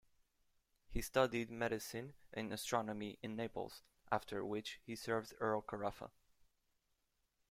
He studied medicine and astronomy in Naples, after which he served Earl Carafa.